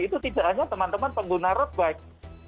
itu tidak hanya teman teman pengguna road bike